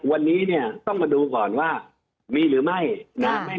วันนี้เนี่ยต้องมาดูก่อนว่ามีหรือไม่นะ